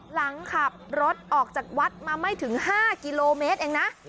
หลังขับรถออกจากวัดมาไม่ถึง๕กิโลเมตรเองนะ